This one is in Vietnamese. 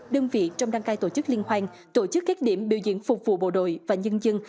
đơn vị trong đăng cai tổ chức liên hoan tổ chức các điểm biểu diễn phục vụ bộ đội và nhân dân